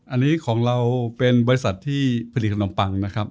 อันนี้ของเราเป็นบริษัทที่ผลิตขนมปังนะครับ